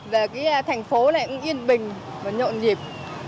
về cái thành phố này cũng yên bình và nhộn nhịp